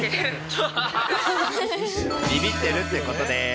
びびってるってことです。